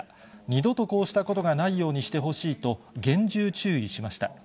二度とこうしたことがないようにしてほしいと、厳重注意しました。